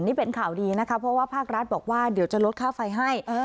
นี่เป็นข่าวดีนะคะเพราะว่าภาครัฐบอกว่าเดี๋ยวจะลดค่าไฟให้